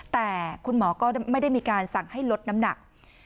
แต่คุณหมอก็ไม่ได้มีการสั่งให้ลดน้ำหนัก